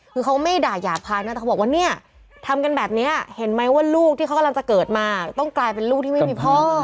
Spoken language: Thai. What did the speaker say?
คือเขาไม่ด่าหยาบคายนะแต่เขาบอกว่าเนี่ยทำกันแบบนี้เห็นไหมว่าลูกที่เขากำลังจะเกิดมาต้องกลายเป็นลูกที่ไม่มีพ่อ